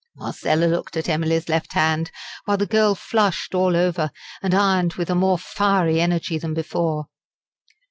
Marcella looked at Emily's left hand, while the girl flushed all over, and ironed with a more fiery energy than before.